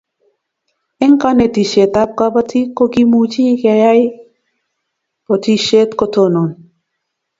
Eng' kanetishet ab kabatik ko kimuchi keyai botishet ko tonon